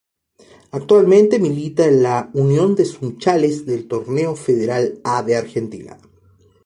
Actualmente milita en Unión de Sunchales del Torneo Federal A de Argentina.